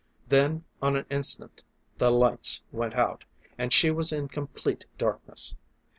Then on an instant the lights went out, and she was in complete darkness.